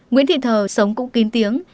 nguyễn thị thờ sống cũng kín tiếng